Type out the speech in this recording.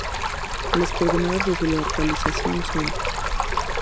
Las coordenadas de su localización son.